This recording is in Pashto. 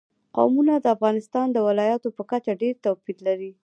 قومونه د افغانستان د ولایاتو په کچه ډېر توپیر لري.